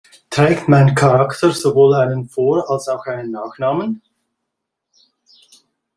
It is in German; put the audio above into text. Trägt mein Charakter sowohl einen Vor- als auch einen Nachnamen?